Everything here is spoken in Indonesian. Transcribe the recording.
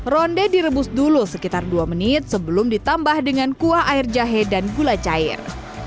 ronde direbus dulu sekitar dua menit sebelum ditambah dengan kuah air jahe dan gula cair